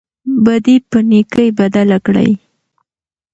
بدي په نېکۍ بدله کړئ.